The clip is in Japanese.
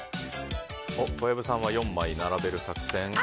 小籔さんは４枚並べる作戦。